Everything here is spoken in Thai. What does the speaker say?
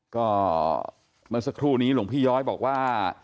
ก็เมื่อสักครู่นี้หลวงพี่ย้อยบอกว่า